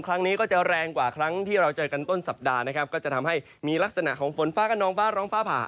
ครั้งนี้ก็จะแรงกว่าครั้งที่เราเจอกันต้นสัปดาห์นะครับก็จะทำให้มีลักษณะของฝนฟ้ากระนองฟ้าร้องฟ้าผ่า